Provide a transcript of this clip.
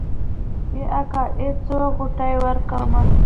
ای اکا ای څو غوټې ورکمه.